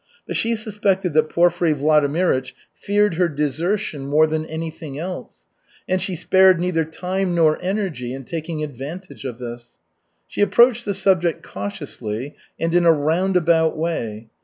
But she suspected that Porfiry Vladimirych feared her desertion more than anything else, and she spared neither time nor energy in taking advantage of this. She approached the subject cautiously and in a roundabout way.